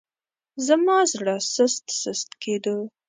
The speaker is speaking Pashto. زما زړه سست سست کېدو.